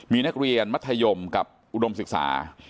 มีนักเรียนมัธยมกับอุดมศึกษา